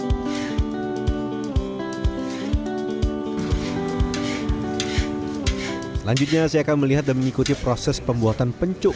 selanjutnya saya akan melihat dan mengikuti proses pembuatan pencuk